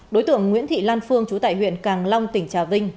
đối tượng nguyễn thị lan phương trú tại huyện càng long tỉnh trà vinh